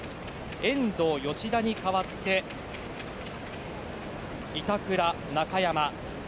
遠藤、吉田に代わって板倉、中山。